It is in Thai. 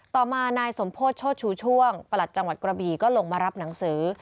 ต่อมานายสมโพธิโชชูช่วงประหลัดจังหวัดกระบีก็ลงมารับหนังสือ